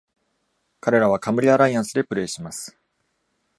彼らはカムリ・アライアンスでプレーします。